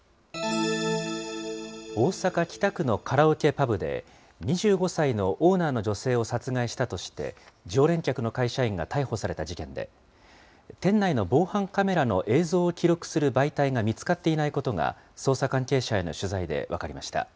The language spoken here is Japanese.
大阪・北区のカラオケパブで、２５歳のオーナーの女性を殺害したとして、常連客の会社員が逮捕された事件で、店内の防犯カメラの映像を記録する媒体が見つかっていないことが、捜査関係者への取材で分かりました。